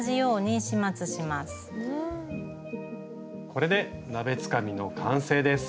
これで鍋つかみの完成です。